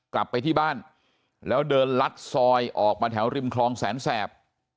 กลับไปที่บ้านแล้วเดินลัดซอยออกมาแถวริมคลองแสนแสบ